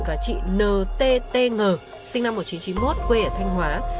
và chị nttg sinh năm một nghìn chín trăm chín mươi một quê ở thanh hóa